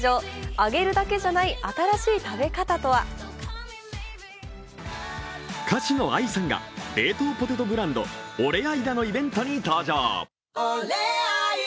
揚げるだけじゃない新しい食べ方とは歌手のＡＩさんが冷凍ポテトブランドオレアイダのイベントに登場。